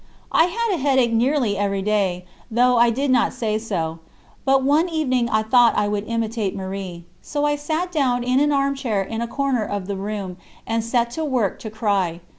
I had a headache nearly every day, though I did not say so; but one evening I thought I would imitate Marie. So I sat down in an armchair in a corner of the room, and set to work to cry.